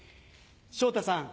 昇太さん